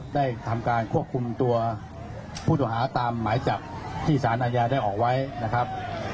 ได้ทำการควบคุมตัวผู้ต้องหาตามหมายจับที่สารอาญาได้ออกไว้นะครับ